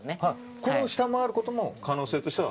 これを下回ることも可能性としては？